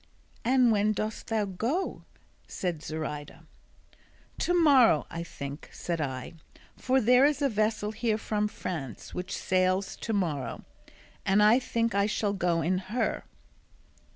"And when dost thou go?" said Zoraida. "To morrow, I think," said I, "for there is a vessel here from France which sails to morrow, and I think I shall go in her."